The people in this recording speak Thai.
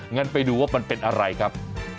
งั้นไปดูว่ามันเป็นอะไรครับ